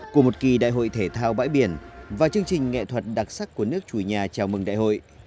của một kỳ đại hội thể thao bãi biển và chương trình nghệ thuật đặc sắc của nước chủ nhà chào mừng đại hội